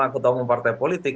ketua umum partai politik